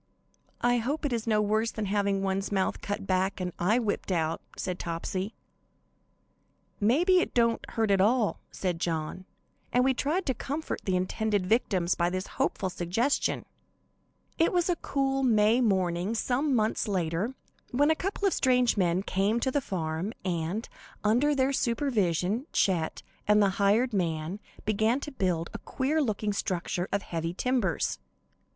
"I hope it is no worse than having one's mouth cut back and eye whipped out," said Topsy. "May be it don't hurt at all," said John, and we all tried to comfort the intended victims by this hopeful suggestion. It was a cool, May morning, some months later, when a couple of strange men came to the farm, and, under their supervision, Chet and the hired man began to build a queer looking structure of heavy timbers.